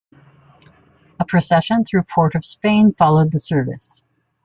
A procession through Port of Spain followed the service.